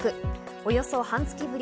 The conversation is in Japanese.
およそ半月ぶり。